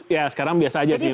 ya sekarang biasa aja sih